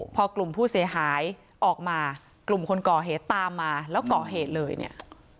พอกลุ่มผู้เสียหายออกมากลุ่มคนก่อเหตุตามมาแล้วก่อเหตุเลยเนี่ย